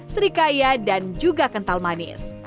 serikaya dan juga kental manis